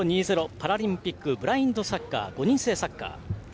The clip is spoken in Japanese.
パラリンピックブラインドサッカー５人制サッカー。